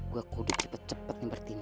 gue kudu cepet cepet yang bertindak